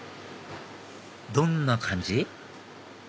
どんな感じ？